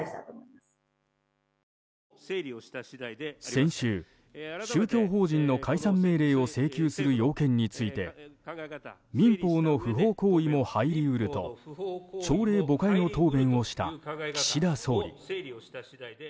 先週、宗教法人の解散命令を請求する要件について民法の不法行為も入り得ると朝令暮改の答弁をした岸田総理。